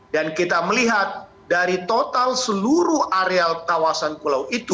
dan kita melihat dari total seluruh areal kawasan pulau itu